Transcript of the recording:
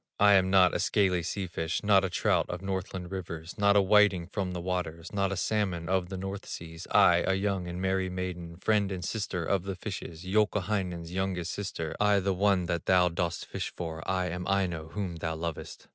"I am not a scaly sea fish, Not a trout of Northland rivers, Not a whiting from the waters, Not a salmon of the North seas, I, a young and merry maiden, Friend and sister of the fishes, Youkahainen's youngest sister, I, the one that thou dost fish for, I am Aino whom thou lovest.